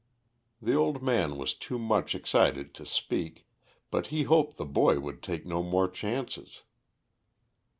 The old man was too much excited to speak, but he hoped the boy would take no more chances.